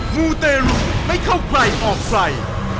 มูตรรุไม่เข้าใกล้ออกไฟ